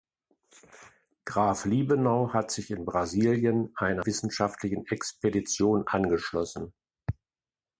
Graf Liebenau hat sich in Brasilien einer wissenschaftlichen Expedition angeschlossen.